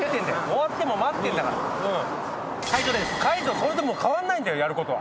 それでも変わんないんだよやることは。